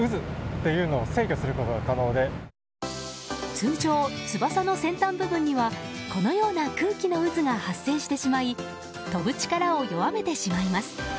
通常、翼の先端部分にはこのような空気の渦が発生してしまい飛ぶ力を弱めてしまいます。